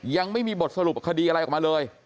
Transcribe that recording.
ยังไม่มีบทสรุปคดีอะไรออกมาเลย